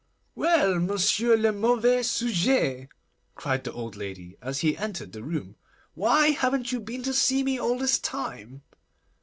'Well, monsieur le mauvais sujet,' cried the old lady, as he entered the room, 'why haven't you been to see me all this time?